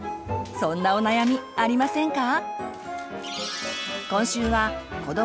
そんなお悩みありませんか？